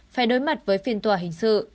phải đối mặt với phiên tòa hình sự